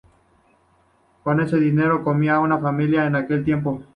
Con ese dinero comía una familia en aquel tiempo.